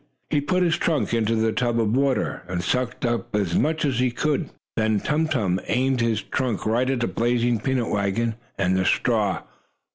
He put his trunk into the tub of water, and sucked up as much as he could. Then Tum Tum aimed his trunk right at the blazing peanut wagon and the straw.